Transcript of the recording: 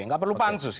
nggak perlu pansus